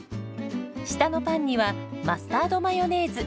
下のパンにはマスタードマヨネーズ。